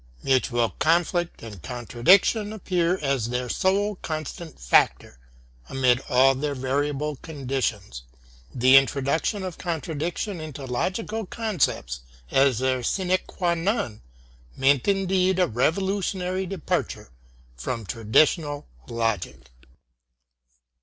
Mutual conflict and contradiction appear as their sole constant factor amid all their variable conditions. The introduction of contradiction into logical concepts as their sine qua non meant indeed a revolutionary departure from traditional logic.